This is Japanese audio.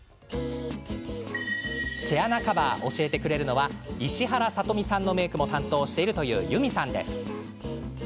毛穴カバー、教えてくれるのは石原さとみさんのメークも担当しているというｙｕｍｉさん。